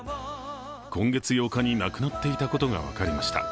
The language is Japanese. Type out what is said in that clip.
今月８日に亡くなっていたことが分かりました。